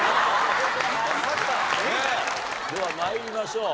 では参りましょう。